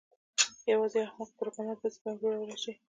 یوازې یو احمق پروګرامر داسې بم جوړولی شي